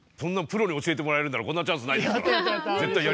プロに教えてもらえるんならこんなチャンスないですから絶対やりますよ。